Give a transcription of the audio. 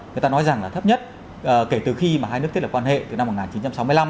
người ta nói rằng là thấp nhất kể từ khi mà hai nước thiết lập quan hệ từ năm một nghìn chín trăm sáu mươi năm